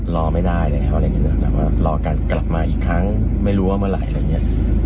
รอไม่ได้นะครับอะไรแบบนี้นะครับหรือว่ารอกันกลับมาอีกครั้งไม่รู้ว่าเมื่อไหร่อะไรอย่างเงี้ย